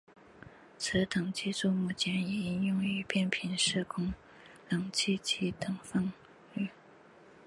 此等技术目前已应用于变频式冷气机等范畴。